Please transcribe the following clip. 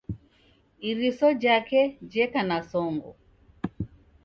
Iriso jake jeka na songo